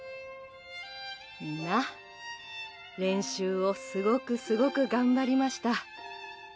みんな練習をすごくすごく頑張りました。